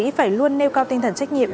phải luôn nêu cao tinh thần trách nhiệm